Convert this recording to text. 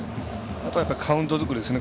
あとはカウント作りですね。